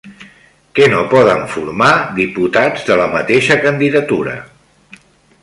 Què no poden formar diputats de la mateixa candidatura?